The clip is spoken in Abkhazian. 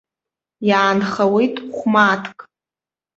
Иаанхауеит хә-мааҭк.